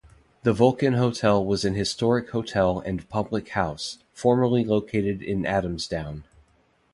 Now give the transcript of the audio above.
The Vulcan Hotel was an historic hotel and public house, formerly located in Adamsdown.